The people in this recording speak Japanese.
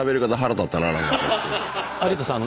有田さん